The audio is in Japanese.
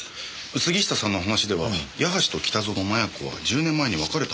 杉下さんの話では矢橋と北薗摩耶子は１０年前に別れたはずですよね。